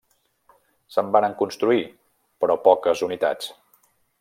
Se'n varen construir, però, poques unitats.